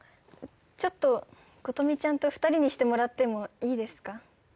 ちょっと琴美ちゃんと２人にしてもらってもいいですか？